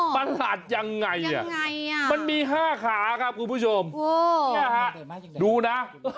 อ๋อประหลาดยังไงมันมี๕ขาครับคุณผู้ชมนี่ฮะดูนะ